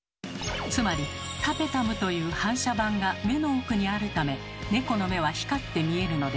つまりタペタムという反射板が目の奥にあるためネコの目は光って見えるのです。